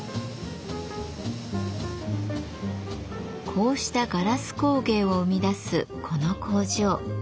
こうしたガラス工芸を生み出すこの工場。